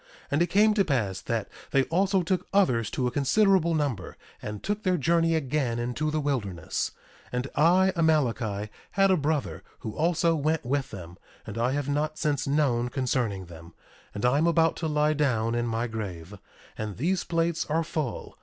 1:29 And it came to pass that they also took others to a considerable number, and took their journey again into the wilderness. 1:30 And I, Amaleki, had a brother, who also went with them; and I have not since known concerning them. And I am about to lie down in my grave; and these plates are full.